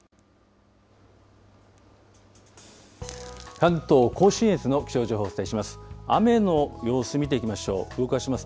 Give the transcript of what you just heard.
関東甲信越の気象情報、お伝えします。